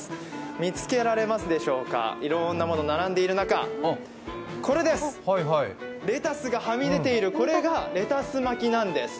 見つけられますでしょうかいろんなものが並んでいる中、これです、レタスがはみ出ている、これがレタス巻きなんです。